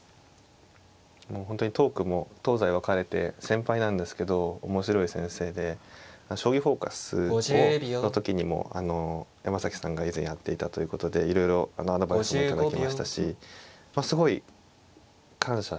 本当にトークも東西分かれて先輩なんですけど面白い先生で「将棋フォーカス」の時にも山崎さんが以前やっていたということでいろいろアドバイスも頂きましたしすごい感謝している先輩ですね。